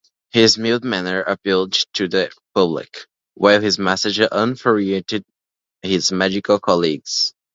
His mild manner appealed to the public, while his message infuriated his medical colleagues.